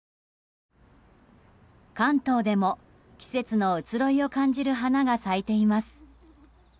関東でも季節の移ろいを感じる花が咲いています。